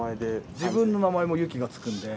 自分の名前もゆきがつくんで。